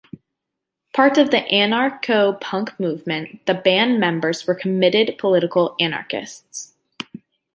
Part of the anarcho-punk movement, the band members were committed political anarchists.